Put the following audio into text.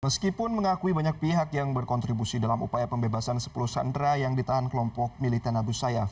meskipun mengakui banyak pihak yang berkontribusi dalam upaya pembebasan sepuluh sandera yang ditahan kelompok militan abu sayyaf